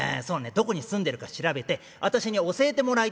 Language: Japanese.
どこに住んでるか調べてあたしに教えてもらいたいんだよ」。